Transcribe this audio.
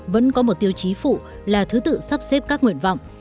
vẫn có một tiêu chí phụ là thứ tự sắp xếp các nguyện vọng